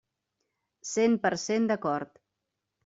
Cent per cent d'acord.